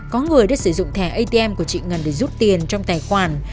có người đã sử dụng thẻ atm của chị ngân để rút tiền trong tài khoản